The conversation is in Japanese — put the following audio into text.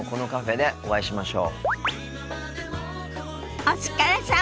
お疲れさま！